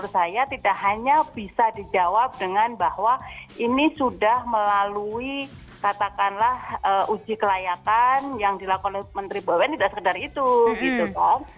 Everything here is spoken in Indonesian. saya tidak hanya bisa dijawab dengan bahwa ini sudah melalui katakanlah uji kelayakan yang dilakukan oleh menteri bumn tidak sekedar itu gitu kan